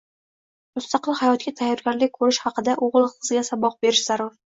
Mustaqil hayotga tayyorgarlik ko‘rish haqida o’g’il-qizga saboq berish zarur.